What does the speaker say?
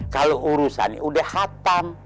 kalau urusannya udah hatam